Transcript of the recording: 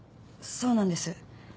そうなんです。